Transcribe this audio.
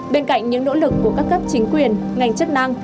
bên cạnh những nỗ lực của các cấp chính quyền ngành chức năng